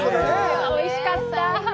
おいしかった。